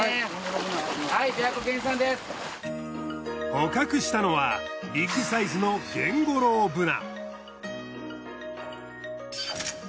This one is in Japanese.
捕獲したのはビッグサイズのゲンゴロウブナ。